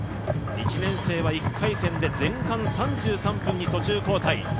１年生は１回戦で前半３３分に途中交代。